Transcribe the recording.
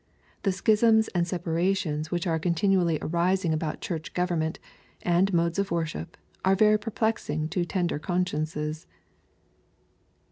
The schisms and separations which are continually arising about Church government, and modes of worship, are very perplexing to tender consciences.